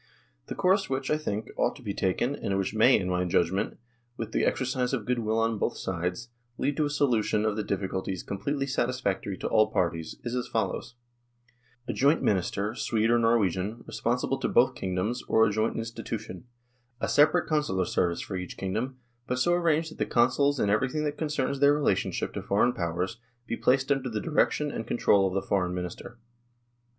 The course which, I think, ought to be taken, and which may, in my judgment, with the exercise of goodwill on both sides, lead to a solution of the difficulties completely satisfactory to all parties, is as follows :" A joint Foreign Minister Swede or Norwegian THE POLITICAL SITUATION 87 responsible to both kingdoms, or to a joint institu tion ; a separate Consular service for each kingdom, but so arranged that the Consuls in everything that concerns their relationship to foreign Powers be placed under the direction and control of the Foreign Minister.